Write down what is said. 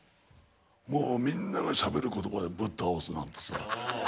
もうみんながしゃべる言葉だよぶっ倒すなんてさ。